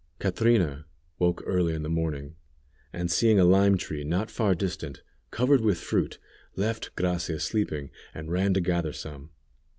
Catrina woke early in the morning, and seeing a lime tree not far distant, covered with fruit, left Gracia sleeping, and ran to gather some.